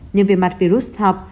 nhưng về mặt virus thọc